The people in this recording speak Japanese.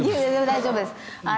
大丈夫です。